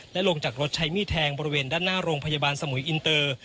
และลงจากรถใช้มีดแทงบริเวณด้านหน้าโรงพยาบาลสมุยอินเตอร์